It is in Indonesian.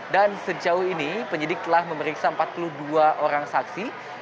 dan sejauh ini penyidik telah memeriksa empat puluh dua orang saksi